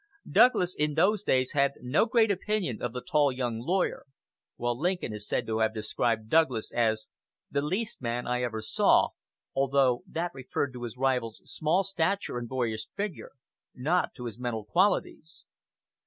Douglas in those days had no great opinion of the tall young lawyer; while Lincoln is said to have described Douglas as "the least man I ever saw" although that referred to his rival's small stature and boyish figure, not to his mental qualities.